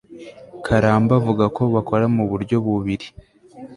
karamba avuga ko bakora mu buryo bubiri